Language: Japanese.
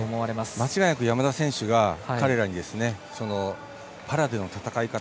間違いなく山田選手が彼らにパラでの戦い方